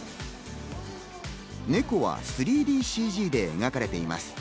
猫は３ＤＣＧで描かれています。